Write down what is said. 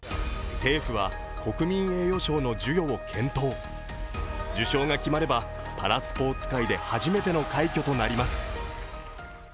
政府は、国民栄誉賞の授与を検討受賞が決まればパラスポーツ界で初めての快挙となります。